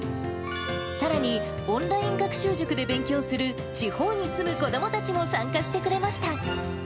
さらに、オンライン学習塾で勉強する地方に住む子どもたちも、参加してくれました。